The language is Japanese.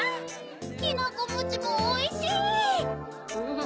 きなこもちもおいしい！